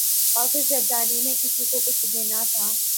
آصف زرداری نے کسی کو کچھ دینا تھا۔